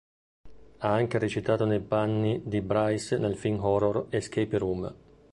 Ha anche recitato nei panni di Brice nel film horror, "Escape Room".